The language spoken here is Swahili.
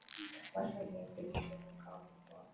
wacha viazi lishe vyako vipoe